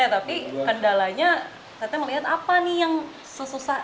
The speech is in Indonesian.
tapi kendalanya katanya melihat apa nih